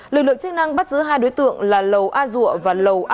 lực lượng chức năng bắt giữ hai đối tượng là lầu a dua và lầu a